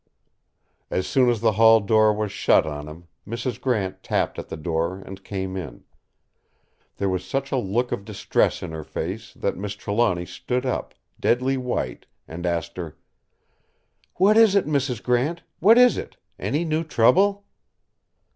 As soon as the hall door was shut on him, Mrs. Grant tapped at the door and came in. There was such a look of distress in her face that Miss Trelawny stood up, deadly white, and asked her: "What is it, Mrs. Grant? What is it? Any new trouble?"